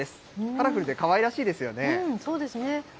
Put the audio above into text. カラフルでかわいらしいですよね。